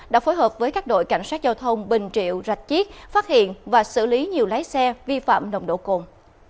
đã phối hợp với các đội cảnh sát giao thông bình triệu rạch chiếc phát hiện và xử lý nhiều lái xe vi phạm nồng độ cồn